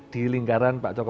di lingkaran pak cokro